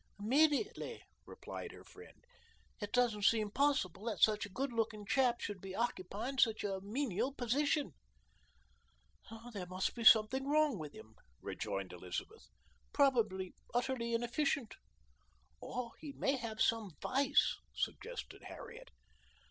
"Immediately," replied her friend. "It doesn't seem possible that such a good looking chap should be occupying such a menial position." "There must be something wrong with him," rejoined Elizabeth; "probably utterly inefficient." "Or he may have some vice," suggested Harriet.